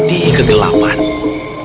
dan dianggap sebagai bulan yang gelapan